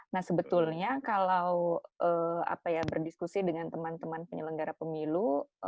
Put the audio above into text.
nah sebetulnya kalau berdiskusi dengan teman teman penyelenggara pemilu